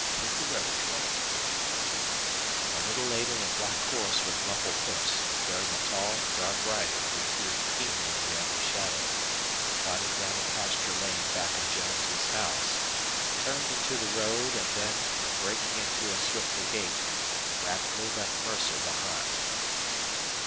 Hit the road, Duane." A little later a black horse with muffled hoofs, bearing a tall, dark rider who peered keenly into every shadow, trotted down a pasture lane back of Jones's house, turned into the road, and then, breaking into swifter gait, rapidly left Mercer behind.